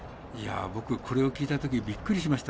僕、これを聞いたときびっくりしました。